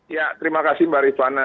ya terima kasih mbak rifana